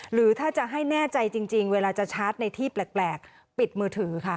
หรือถ้าจะให้แน่ใจจริงเวลาจะชาร์จในที่แปลกปิดมือถือค่ะ